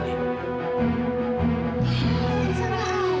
di sana ada pak